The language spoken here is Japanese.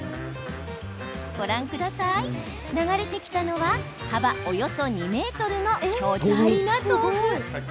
ご覧ください、流れてきたのは幅およそ２ｍの巨大な豆腐。